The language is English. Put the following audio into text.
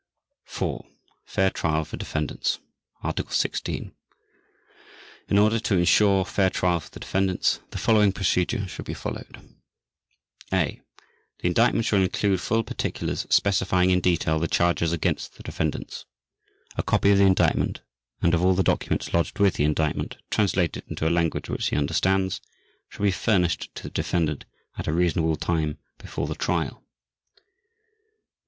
IV. FAIR TRIAL FOR DEFENDANTS Article 16. In order to ensure fair trial for the defendants, the following procedure shall be followed: (a) The Indictment shall include full particulars specifying in detail the charges against the defendants. A copy of the Indictment and of all the documents lodged with the Indictment, translated into a language which he understands, shall be furnished to the defendant at a reasonable time before the Trial.